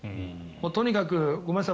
とにかくごめんなさい